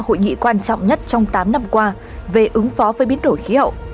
hội nghị quan trọng nhất trong tám năm qua về ứng phó với biến đổi khí hậu